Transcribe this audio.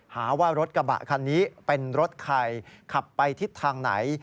หาว่ารถกระบะคันนี้เป็นรถใครขับไปทิศทางไหน